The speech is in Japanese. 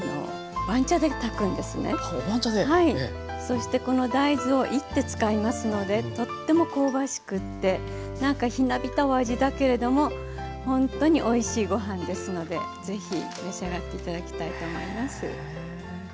そしてこの大豆をいって使いますのでとっても香ばしくて何かひなびたお味だけれどもほんとにおいしいご飯ですのでぜひ召し上がって頂きたいと思います。